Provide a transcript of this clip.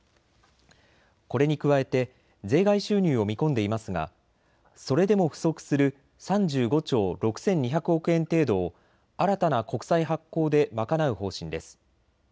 これに加えて税外収入を見込んでいますが、それでも不足する３５兆６２００億円程度を新たな国債発行で賄う方針です。